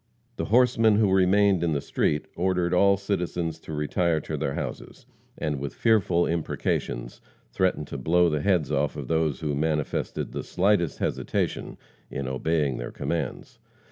The horsemen who remained in the street ordered all citizens to retire to their houses, and, with fearful imprecations, threatened to blow the heads off those who manifested the slightest hesitation in obeying their commands.